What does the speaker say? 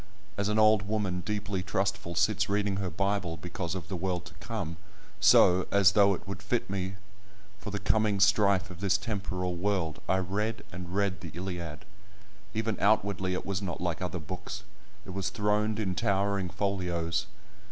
As an old woman deeply trustful sits reading her Bible because of the world to come, so, as though it would fit me for the coming strife of this temporal world, I read and read the Iliad. Even outwardly, it was not like other books; it was throned in towering folios.